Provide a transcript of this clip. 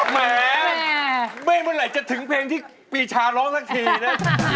แหมไม่เมื่อไหร่จะถึงเพลงที่ปีชาร้องสักทีนะ